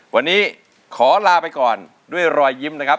วันนี้ขอลาไปก่อนด้วยรอยยิ้มนะครับ